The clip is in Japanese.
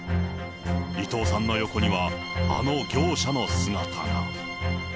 伊藤さんの横には、あの業者の姿が。